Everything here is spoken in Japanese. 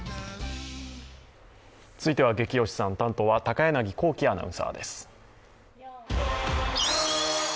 続いては「ゲキ推しさん」担当は高柳光希アナウンサーです。